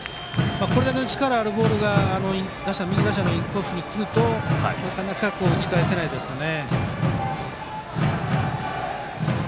これだけの力あるボールが右打者のインコースにくるとなかなか打ち返せませんね。